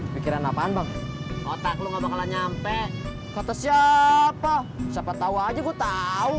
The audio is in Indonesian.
pikiran apaan bang otak lu nggak bakalan nyampe kata siapa siapa tahu aja gue tahu